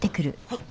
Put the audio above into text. はい。